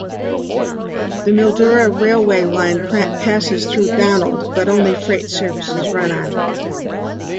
The Mildura railway line passes through Donald, but only freight services run on it.